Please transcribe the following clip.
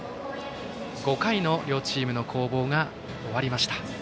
５回の両チームの攻防が終わりました。